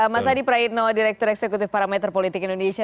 mas adi praitno direktur eksekutif parameter politik indonesia